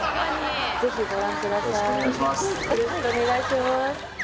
よろしくお願いします